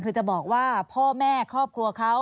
คือจะบอกว่าพ่อแม่ครอบครัวเขา